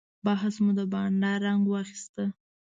بحث مو د بانډار رنګ واخیست.